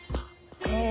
へえ。